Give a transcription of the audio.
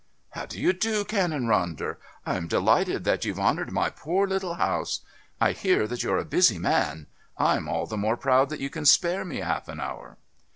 "How do you do, Canon Ronder? I'm delighted that you've honoured my poor little house. I hear that you're a busy man. I'm all the more proud that you can spare me half an hour."